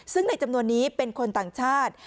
ซึ่งในจำนวนนี้เป็นคนต่างชาติ